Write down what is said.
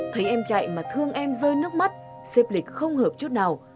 thấy em chạy mà thương em rơi nước mắt xếp lịch không hợp chút nào